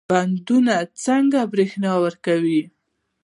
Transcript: بندونه څنګه برښنا ورکوي؟